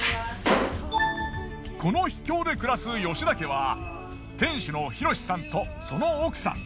この秘境で暮らす吉田家は店主の博さんとその奥さん。